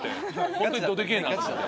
ホントにどえけえなと思って。